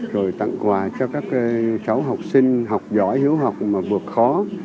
rồi tặng quà cho các cháu học sinh học giỏi hiếu học mà vượt khó